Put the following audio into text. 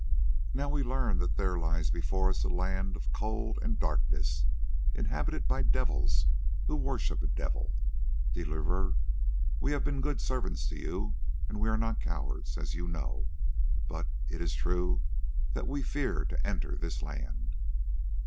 Now we learn that there lies before us a land of cold and darkness, inhabited by devils who worship a devil. Deliverer, we have been good servants to you, and we are not cowards, as you know, but it is true that we fear to enter this land."